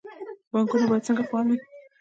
بانکونه باید څنګه فعال وي؟